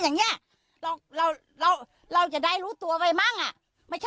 อย่างเงี้ยเราเราเราจะได้รู้ตัวไปมั่งอ่ะไม่ใช่